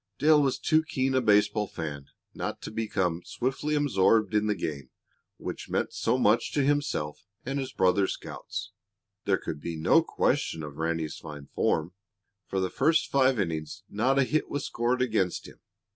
Dale was too keen a baseball fan not to become swiftly absorbed in the game which meant so much to himself and his brother scouts. There could be no question of Ranny's fine form. For the first five innings not a hit was scored against him.